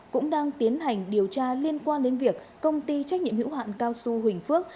cũng đang tiến hành điều tra liên quan đến việc công ty trách nhiệm hữu hạn cao su huỳnh phước